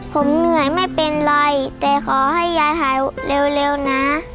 ผมเหนื่อยไม่เป็นไรแต่ขอให้ยายหายเร็วนะ